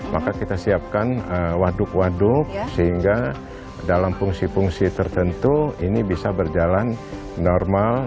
maka kita siapkan waduk waduk sehingga dalam fungsi fungsi tertentu ini bisa berjalan normal